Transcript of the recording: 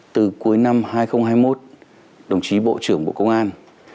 từ cuối năm hai nghìn hai mươi một đồng chí bộ trưởng bộ công an